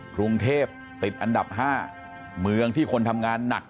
กรุงเทพติดอันดับ๕เมืองที่คนทำงานหนัก